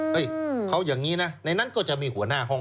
เขาอย่างนี้นะในนั้นก็จะมีหัวหน้าห้อง